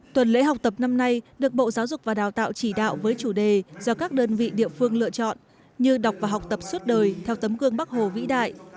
tuần lễ học tập năm nay được bộ giáo dục và đào tạo chỉ đạo với chủ đề do các đơn vị địa phương lựa chọn như đọc và học tập suốt đời theo tấm gương bắc hồ vĩ đại